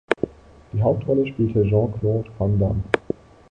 Die Hauptrolle spielte Jean-Claude Van Damme.